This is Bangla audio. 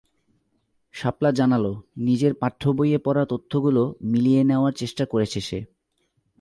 শাপলা জানাল, নিজের পাঠ্যবইয়ে পড়া তথ্যগুলো মিলিয়ে নেওয়ার চেষ্টা করেছে সে।